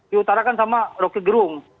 diutarakan sama roki gerung